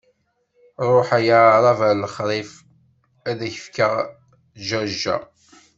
Ṛuḥ ay aɛṛab ar lexṛif, ad k-fkeɣ jajja!